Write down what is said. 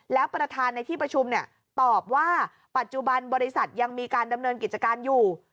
แล้วประธานในที่ประชุมตอบว่าปัจจุบันบริษัทยังมีการดำเนินกิจการอยู่